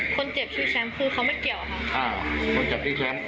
คนเกียดชื่อไหม